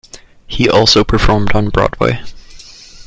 He also performed on Broadway.